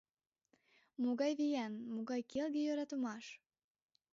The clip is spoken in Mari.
Могай виян, могай келге йӧратымаш!